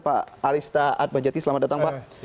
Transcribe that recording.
pak arista atmajati selamat datang pak